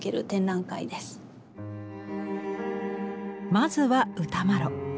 まずは歌麿。